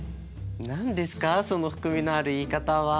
何ですかその含みのある言い方は。